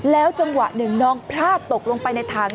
จังหวะหนึ่งน้องพลาดตกลงไปในถัง